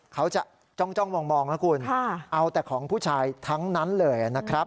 เขาจะจ้องจ้องมองมองนะคุณค่ะเอาแต่ของผู้ชายทั้งนั้นเลยอ่ะนะครับ